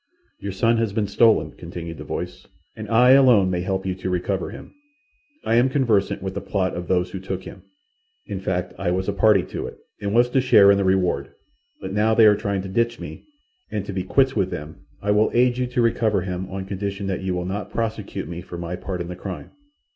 "Your son has been stolen," continued the voice, "and I alone may help you to recover him. I am conversant with the plot of those who took him. In fact, I was a party to it, and was to share in the reward, but now they are trying to ditch me, and to be quits with them I will aid you to recover him on condition that you will not prosecute me for my part in the crime.